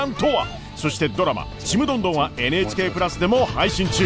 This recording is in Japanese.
そしてドラマ「ちむどんどん」は「ＮＨＫプラス」でも配信中！